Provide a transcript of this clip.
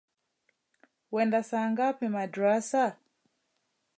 Wenda saa ngapi madrassa?